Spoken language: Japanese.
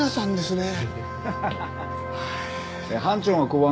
ねえ。